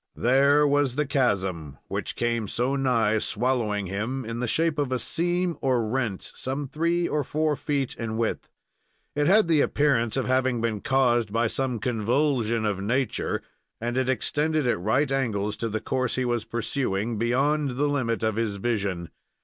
There was the chasm, which came so nigh swallowing him, in the shape of a seam or rent some three or four feet in width. It had the appearance of having been caused by some convulsion of nature, and it extended at right angles to the course he was pursuing, beyond the limit of his vision.